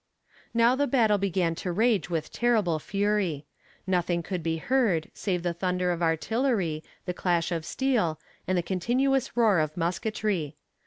Now the battle began to rage with terrible fury. Nothing could be heard save the thunder of artillery, the clash of steel, and the continuous roar of musketry.